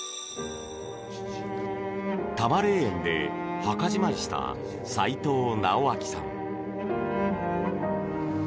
多磨霊園で墓じまいした齋藤直明さん。